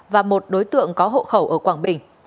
và một đối tượng có hộ khẩu ở quảng bình